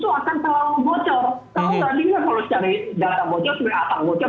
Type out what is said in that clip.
kalau tadi kita cari data bocor sudah akan bocor